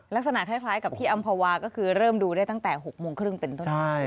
ลักษณะคล้ายกับที่อำภาวาก็คือเริ่มดูได้ตั้งแต่๖โมงครึ่งเป็นต้นไป